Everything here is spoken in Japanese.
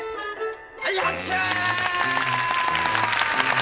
はい拍手ー！